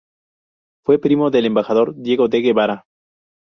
Fue primo del embajador Diego de Guevara.